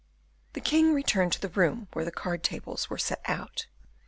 The king returned to the room where the card tables were set out.